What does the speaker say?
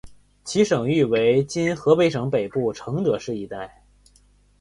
其省域为今河北省北部承德市一带。